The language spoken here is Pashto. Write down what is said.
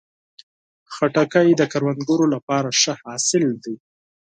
خټکی د کروندګرو لپاره ښه حاصل دی.